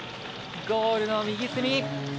ゴールの右隅。